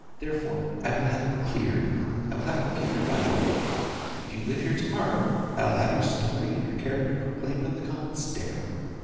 Therefore, I will have it cleared; I will have it purified of you. If you live here tomorrow, I'll have your story and your character proclaimed on the common stair.